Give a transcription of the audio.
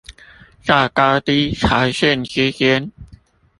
在高低潮線之間